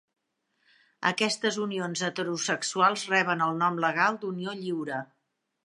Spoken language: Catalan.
Aquestes unions heterosexuals reben el nom legal d'unió lliure.